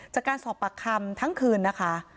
จากการสอบปากคำทั้งคืนนะคะ